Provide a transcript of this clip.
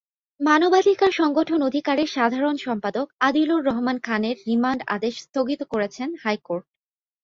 মানবাধিকার সংগঠন অধিকারের সাধারণ সম্পাদক আদিলুর রহমান খানের রিমান্ড আদেশ স্থগিত করেছেন হাইকোর্ট।